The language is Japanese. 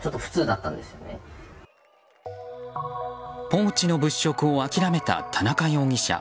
ポーチの物色を諦めた田中容疑者。